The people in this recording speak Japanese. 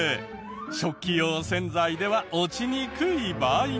食器用洗剤では落ちにくい場合が。